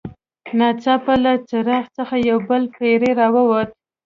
ناڅاپه له څراغ څخه یو بل پیری راووت.